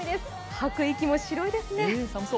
吐く息も白いですね。